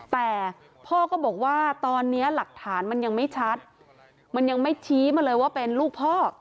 แต่พ่อก็บอกว่าตอนนี้หลักฐานมันยังไม่ชัดมันยังไม่ชี้มาเลยว่าเป็นลูกพ่อ